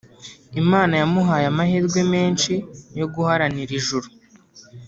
Imana yamuhaye amahirwe menshi yo guharanira ijuru